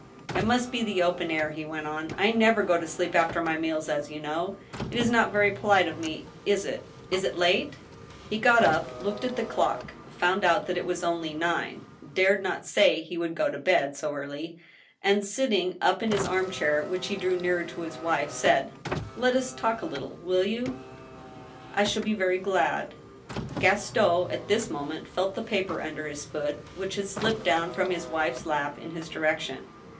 " It must be the open air," he went on ; "I never go to sleep after my meals, as you know. It is not very polite of me — ^is it ?... Is it late?" He got up, looked at the clock, found out that it was only nine» AN ILLUMINATION. , l6i dared not say he would go to bed so early, and, sitting' up in his arm chair, which he drew nearer to his wife, said :" Let us talk a little — ^will you ?"^*' I shall be very glad." Gaston at this moment felt the paper under his foot, which had slipped down from his wife's lap in his direction.